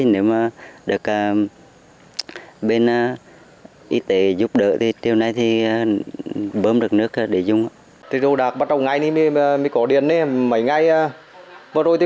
nếu mà được bên y tế giúp đỡ thì tiêu này thì bơm được